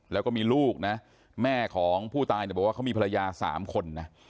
แล้วก็มีลูกนะแม่ของผู้ตายเนี่ยบอกว่าเขามีภรรยา๓คนนะ